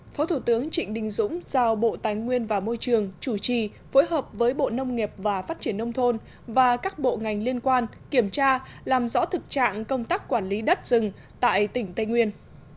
phó thủ tướng trịnh đình dũng giao bộ tài nguyên và môi trường chủ trì phối hợp với bộ nông nghiệp và phát triển nông thôn và các bộ ngành liên quan kiểm tra làm rõ thực trạng công tác quản lý đất rừng tại tỉnh tây nguyên